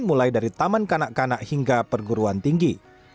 mulai dari taman kanak kanak hingga perguruan tinggi